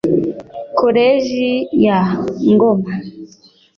Koleji ya Ngoma